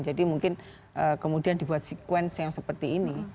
jadi mungkin kemudian dibuat sekuensi yang seperti ini